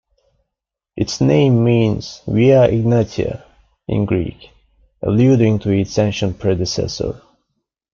Its name means "Via Egnatia" in Greek, alluding to its ancient predecessor.